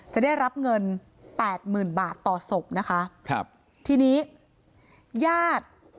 จะได้รับเงินแปดหมื่นบาทต่อศพนะคะครับทีนี้ญาติ